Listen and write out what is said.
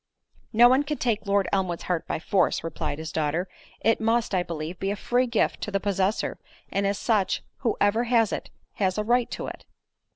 "No one can take Lord Elmwood's heart by force," replied his daughter, "it must, I believe, be a free gift to the possessor; and as such, whoever has it, has a right to it."